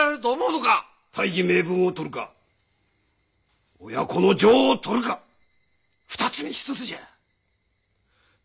大義名分を取るか親子の情を取るか二つに一つじゃ。